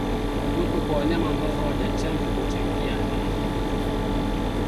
Kuwepo kwa wanyama ambao hawajachanjwa huchangia maambukizi